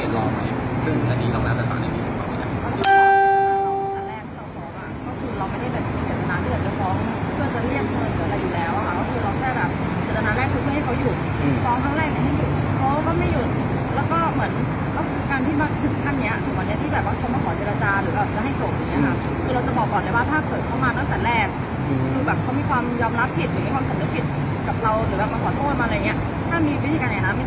หรือแบบรู้สึกผิดมีสุขหรือผ้าจนจนถูกตอนนี้ตอนนี้ก็ยังไม่ได้เออ